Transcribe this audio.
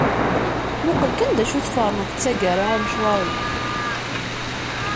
Muqel kan d acu tferneḍ d tagara i umecwar-ik.